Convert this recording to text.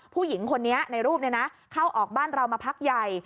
ผู้หญิงคนนี้ในรูปนี้นะเข้าออกบ้านเรามาพักใหญ่